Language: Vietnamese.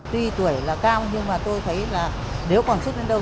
tuy tuổi là cao nhưng mà tôi thấy là nếu còn sức đến đâu